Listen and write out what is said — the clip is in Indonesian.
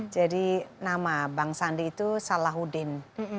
jadi nama bang sandi itu salahuddin